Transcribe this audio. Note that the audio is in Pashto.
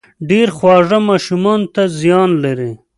ډېر خواږه ماشومانو ته زيان لري